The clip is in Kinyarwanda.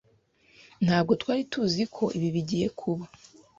Ntabwo twari tuzi ko ibi bigiye kuba.